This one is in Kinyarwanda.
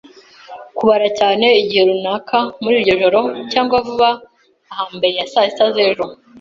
kubara cyane; igihe runaka muri iryo joro, cyangwa vuba aha mbere ya saa sita z'ejo,